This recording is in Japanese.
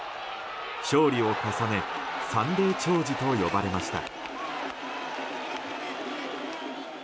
勝利を重ねサンデー兆治と呼ばれました。